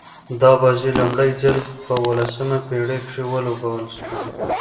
دا بازي لومړی ځل په اوولسمه پېړۍ کښي ولوبول سوه.